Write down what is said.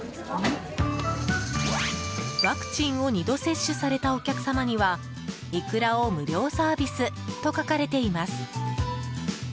ワクチンを２度接種されたお客様にはイクラを無料サービスと書かれています。